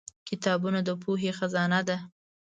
کتابونه د پوهې خزانه ده.